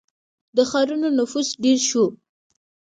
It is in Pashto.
• د ښارونو نفوس ډېر شو.